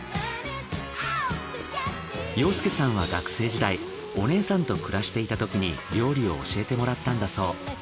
洋介さんは学生時代お姉さんと暮らしていたときに料理を教えてもらったんだそう。